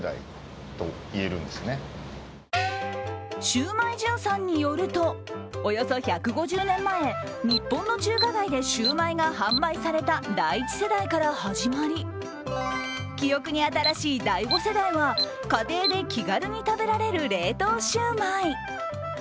シュウマイ潤さんによると、およそ１５０年前、日本の中華街でシュウマイが販売された第１世代から始まり、記憶に新しい第５世代は家庭で気軽に食べられる冷凍シュウマイ。